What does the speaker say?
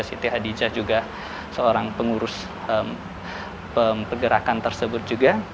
siti hadijah juga seorang pengurus pergerakan tersebut juga